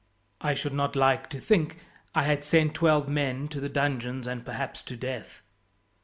I should not like to think I had sent twelve men to the dungeons and perhaps to death."